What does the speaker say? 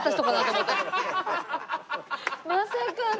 まさかの。